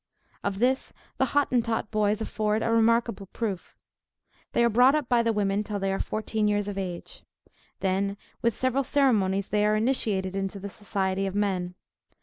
Of this the Hottentot boys afford a remarkable proof. They are brought up by the women, till they are about fourteen years of age. Then, with several ceremonies they are initiated into the society of men.